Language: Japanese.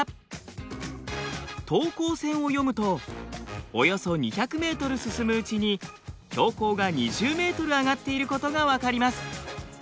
等高線を読むとおよそ２００ｍ進むうちに標高が２０ｍ上がっていることが分かります。